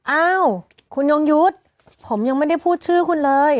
อ้าวคุณยงยุทธ์ผมยังไม่ได้พูดชื่อคุณเลย